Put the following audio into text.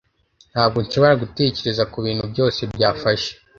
Ntabwo nshobora gutekereza kubintu byose byafasha